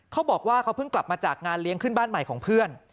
เขาบอกว่าเขาเพิ่งกลับมาจากงานเลี้ยงขึ้นบ้านใหม่ของเพื่อน